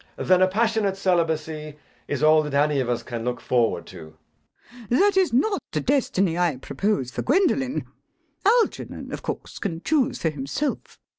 JACK. Then a passionate celibacy is all that any of us can look forward to. LADY BRACKNELL. That is not the destiny I propose for Gwendolen. Algernon, of course, can choose for himself.